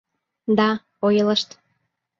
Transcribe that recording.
— Да, ойлышт.